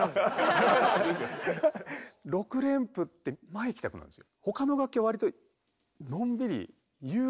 ６連符って前いきたくなるんですよ。